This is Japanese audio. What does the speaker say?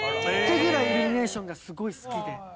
ってぐらいイルミネーションがすごい好きで。